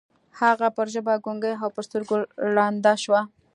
هغه پر ژبه ګونګۍ او پر سترګو ړنده شوه.